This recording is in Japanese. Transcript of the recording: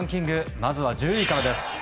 まずは１０位からです。